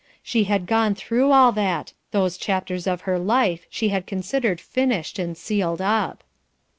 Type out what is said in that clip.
She had gone through all that, those chapters of her life she had considered finished and sealed up.